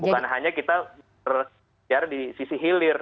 bukan hanya kita berbicara di sisi hilir